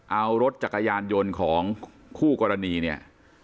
เอารถจักรยานยนต์ของคู่กรณีเนี่ย